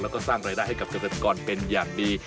แล้วก็สร้างรายได้ให้กับเกษตรกรเป็นอย่างดี